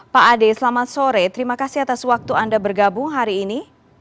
pak ade selamat sore terima kasih atas waktu anda bergabung hari ini